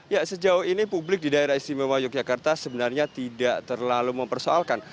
ya sejauh ini publik di daerah istimewa yogyakarta sebenarnya tidak terlalu mempersoalkan